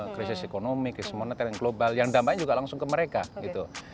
krisis ekonomi krisis moneter dan global yang dampaknya juga langsung ke mereka gitu